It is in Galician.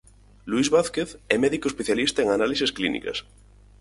Luis Vázquez é médico especialista en Análises Clínicas.